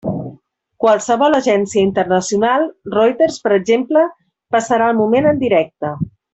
Qualsevol agència internacional, Reuters, per exemple, passarà el moment en directe.